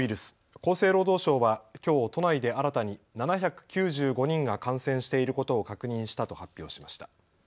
厚生労働省はきょう都内で新たに７９５人が感染していることを確認したと発表しました。